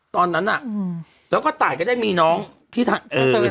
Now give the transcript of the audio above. ตอนนั้นน่ะอืมแล้วก็ตายก็ได้มีน้องที่ทาง